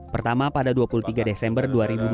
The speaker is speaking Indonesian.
pertama pada dua puluh tiga desember dua ribu dua puluh